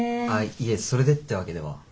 あっいえそれでってわけでは。